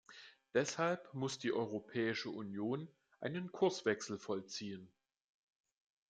Deshalb muss die Europäische Union einen Kurswechsel vollziehen.